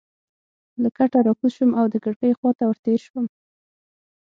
له کټه راکوز شوم او د کړکۍ خوا ته ورتېر شوم.